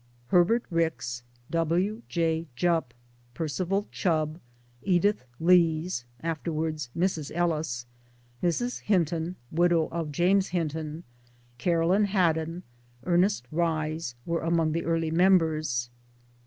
1 Herbert Rix, W. J. Jupp, Percival Chubb, Edith Lees (afterwards Mrs. Ellis), Mrs. Hinton, widow of James Hinton, Caroline Had don, Ernest Rhys were among the early members.